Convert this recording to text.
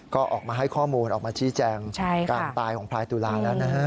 ก็ออกมาให้ข้อมูลออกมาชี้แจงการตายของพลายตุลาแล้วนะฮะ